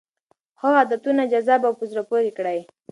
ښه عادتونه جذاب او په زړه پورې کړئ.